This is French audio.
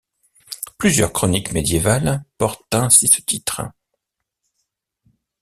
Plusieurs chroniques médiévales portent ainsi ce titre.